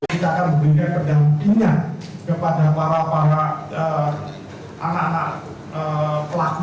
kita akan memberikan pendampingan kepada para para anak anak pelaku